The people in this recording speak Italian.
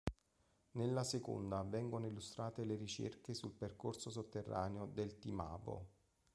Nella seconda vengono illustrate le ricerche sul percorso sotterraneo del Timavo.